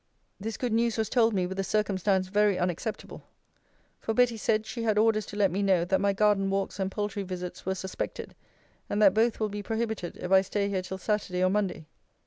This good news was told me, with a circumstance very unacceptable; for Betty said, she had orders to let me know, that my garden walks and poultry visits were suspected; and that both will be prohibited, if I stay here till Saturday or Monday.